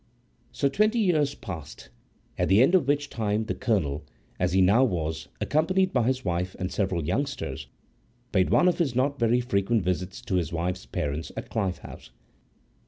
So twenty years passed; at the end of which time the Colonel (as he now was), accompanied by his wife and several youngsters, paid one of his not very frequent visits to his wife's parents at Clyffe House.